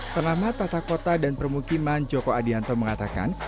pengamat tata kota dan permukiman joko adianto mengatakan